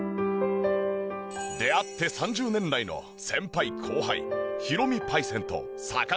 出会って３０年来の先輩後輩ヒロミパイセンと坂上くん。